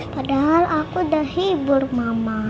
padahal aku udah hibur mama